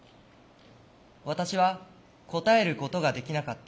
私は答えることができなかった。